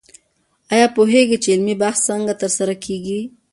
آیا پوهېږئ چې علمي بحث څنګه ترسره کېږي؟